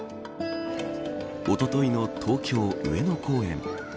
おとといの東京、上野公園。